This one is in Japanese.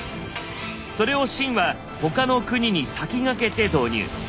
それを秦は他の国に先駆けて導入。